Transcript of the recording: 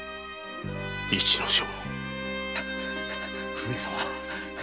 上様。